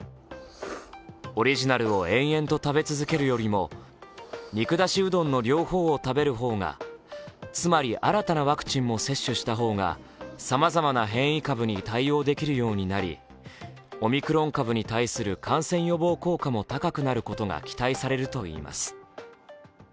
オリジナルを延々と食べ続けるよりも肉だしうどんの両方を食べる方が、つまり新たなワクチンも接種した方がさまざまな変異株に対応できるようになりオミクロン株に対する感染予防効果も高くなることが期待されるといいます。